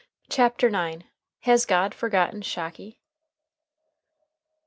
CHAPTER IX. HAS GOD FORGOTTEN SHOCKY?